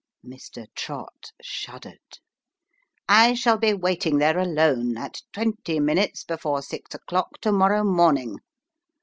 [Mr. Trott shuddered.] " I shall be waiting there alone, at twenty minutes before six o'clock to morrow morning.